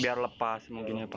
biar lepas mobilnya pak